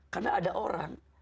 karena ada orang